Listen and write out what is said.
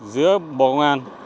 giữa bộ ngàn